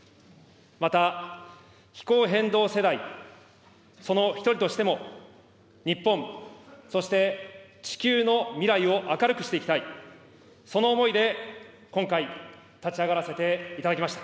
また、気候変動世代、その一人としても、日本、そして地球の未来を明るくしていきたい、その思いで今回立ち上がらせていただきました。